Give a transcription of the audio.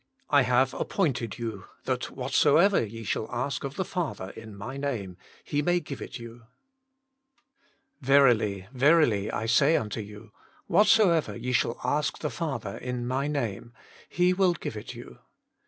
I have appointed you, that whatsoever ye shall ask of the Father in My Name, He may give it you. Verily, verily I say unto you, whatsoever ye shall ask the Father in My Name, He will give it you.